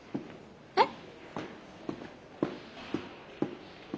えっ！？